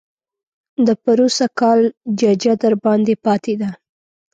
د پروسږ کال ججه درباندې پاتې ده.